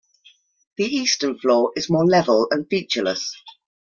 The eastern floor is more level and featureless.